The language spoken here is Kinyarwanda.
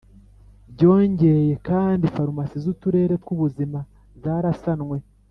Byongeye kandi farumasi z uturere tw ubuzima zarasanwe